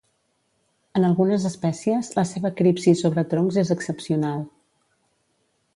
En algunes espècies, la seva cripsi sobre troncs és excepcional.